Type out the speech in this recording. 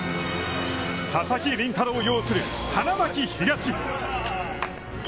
佐々木麟太郎擁する花巻東。